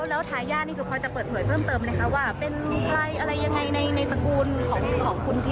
แล้วทะยาศพอจะเปิดเหนื่อยเพิ่มเติมว่าเป็นอะไรอย่างไงในตระกูลของคุณทิว